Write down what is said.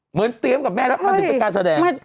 เหมือนเตรียมกับแม่แล้วไปการแสดง